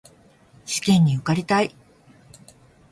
試験に受かりたい